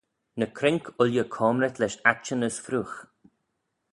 Ny croink ooilley coamrit lesh aittyn as freoagh.